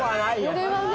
これはね。